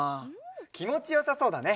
きもちよさそうだね。